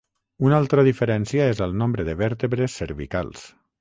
Una altra diferència és el nombre de vèrtebres cervicals.